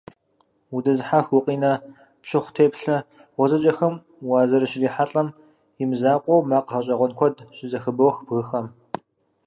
Удэзыхьэх, гукъинэ пщыхъу теплъэ гъуэзэджэхэм уазэрыщрихьэлIэм и мызакъуэу, макъ гъэщIэгъуэн куэд щызэхыбох бгыхэм.